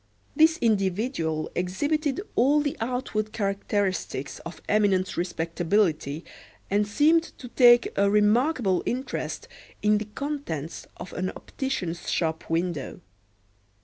This individual exhibited all the outward characteristics of eminent respectability, and seemed to take a remarkable interest in the contents of an optician's shop window.